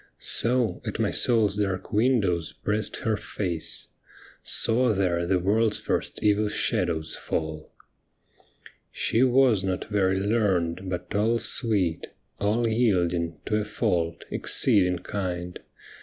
So at my soul's dark windows pressed her face, Saw there the world's first evil shadows fall. 91 92 'THE ME WITHIN THEE BLIND!' She wa^ not very learned, but all sweet, All yielding, to a fault — exceeding kind.